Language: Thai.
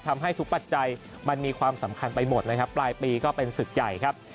ทำให้ทุกปัจจัยมันมีความสำคัญไปหมดนะครับปลายปีก็เป็นศึกใหญ่ครับ